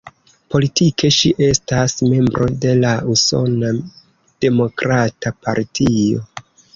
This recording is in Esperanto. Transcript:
Politike ŝi estas membro de la Usona Demokrata Partio.